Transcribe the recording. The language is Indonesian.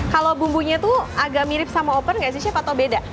kalau bumbunya tuh agak mirip sama open nggak sih chef atau beda